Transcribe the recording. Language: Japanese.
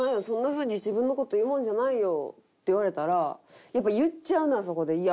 そんな風に自分の事言うもんじゃないよ」って言われたらやっぱ言っちゃうなそこで。